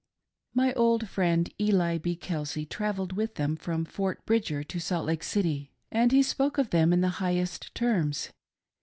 My old friend Eli B. Kelsey travelled with them from Fort Bridger to Salt Lake City, and he spoke of them in the highest terms.